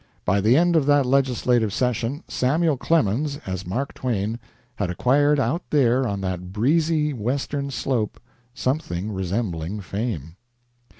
By the end of that legislative session Samuel Clemens, as Mark Twain, had acquired out there on that breezy Western slope something resembling fame.